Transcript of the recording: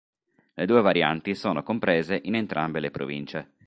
Le due varianti sono comprese in entrambe le province.